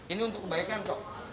ini untuk kebaikan kok